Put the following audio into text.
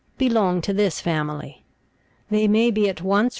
58) belong to this family. They may be at once Fig.